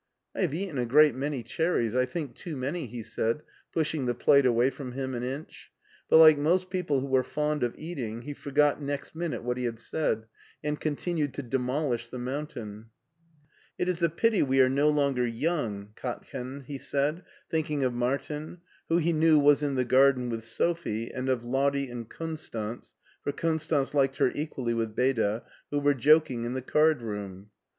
I have eaten a great many cherries, I think too many," he said, pushing the plate away from him an inch, but, like most people who are fond of eating, he forgot next minute what he had said and continued to demolish the mountain. " It is a pity we are no longer young, Katchen," he said, thinking of Martin, who he knew was in the garden with Sophie, and of Lottie and Konstanz — for Konstanz liked her equally with Beda — ^who were joking in the card room.